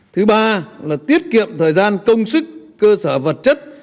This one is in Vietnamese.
thứ ba là tiết kiệm thời gian công sức cơ sở vật chất